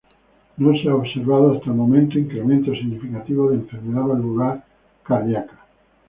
No se ha observado hasta el momento incremento significativo de enfermedad valvular cardiaca.